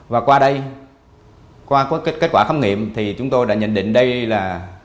và qua đây qua kết quả khám nghiệm thì chúng tôi đã nhận định đây là